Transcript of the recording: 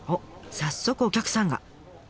早速お客さんが。